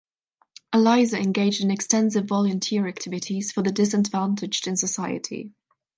Aliza engaged in extensive volunteer activities for the disadvantaged in society.